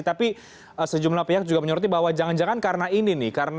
tapi sejumlah pihak juga menyoroti bahwa jangan jangan karena ini nih